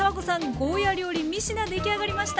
ゴーヤー料理３品出来上がりました。